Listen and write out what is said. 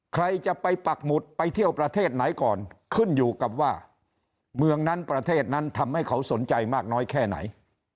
ใครจะไปปักหมุดไปเที่ยวประเทศไหนก่อนขึ้นอยู่กับว่าเมืองนั้นประเทศนั้นทำให้เขาสนใจมากน้อยแค่ไหน